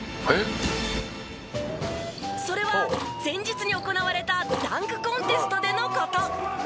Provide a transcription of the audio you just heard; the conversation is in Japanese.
それは前日に行われたダンクコンテストでの事。